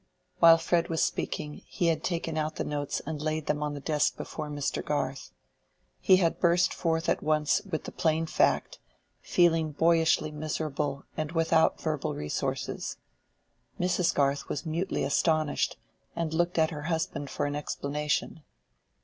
While Fred was speaking, he had taken out the notes and laid them on the desk before Mr. Garth. He had burst forth at once with the plain fact, feeling boyishly miserable and without verbal resources. Mrs. Garth was mutely astonished, and looked at her husband for an explanation.